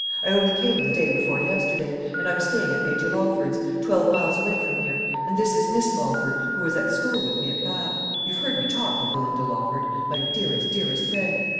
I only came the day before yesterday and I'm staying at Major Lawford's, twelve miles away from here and this is Miss Lawford, who was at school with me at Bath. You've heard me talk of Belinda Lawford, my dearest, dearest friend?